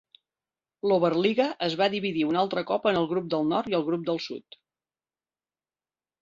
L'Oberliga es va dividir un altre cop en el grup del nord i el grup del sud.